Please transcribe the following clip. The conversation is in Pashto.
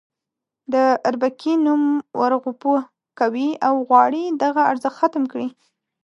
د اربکي نوم ورغوپه کوي او غواړي دغه ارزښت ختم کړي.